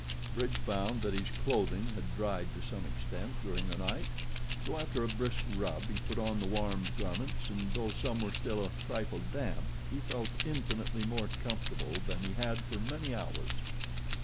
Bridge found that his clothing had dried to some extent during the night; so, after a brisk rub, he put on the warmed garments and though some were still a trifle damp he felt infinitely more comfortable than he had for many hours.